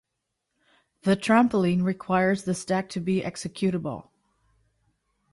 The trampoline requires the stack to be executable.